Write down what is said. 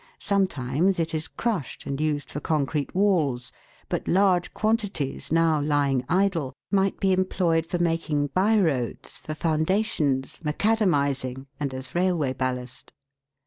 Sometimes it is crushed and used for concrete walls, but large quantities now lying idle might be employed for making bye roads, for foundations, macadamising, and as railway ballast.